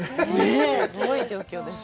すごい状況ですね。